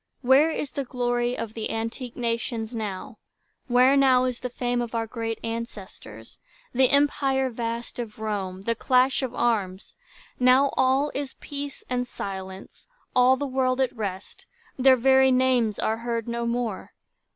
Where is the glory of the antique nations now? Where now the fame of our great ancestors? The empire vast of Rome, the clash of arms? Now all is peace and silence, all the world At rest; their very names are heard no more.